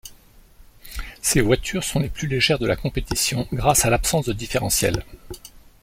Ces voitures sont les plus légères de la compétition, grâce à l'absence de différentiel.